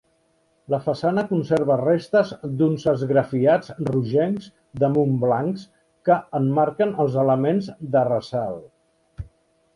La façana conserva restes d'uns esgrafiats rogencs damunt blancs que emmarquen els elements de ressalt.